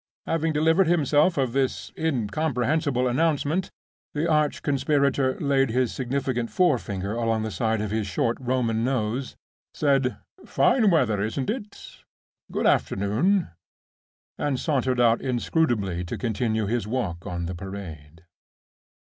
Having delivered himself of this incomprehensible announcement, the arch conspirator laid his significant forefinger along the side of his short Roman nose, said, "Fine weather, isn't it? Good afternoon!" and sauntered out inscrutably to continue his walk on the Parade.